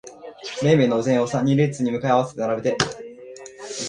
めいめいのお膳を二列に向かい合わせに並べて、